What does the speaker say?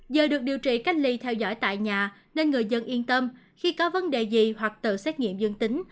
giờ được điều trị cách ly theo dõi tại nhà nên người dân yên tâm khi có vấn đề gì hoặc tự xét nghiệm dương tính